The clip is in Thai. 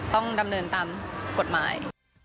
ต้องดำเนินตามกฎหมาย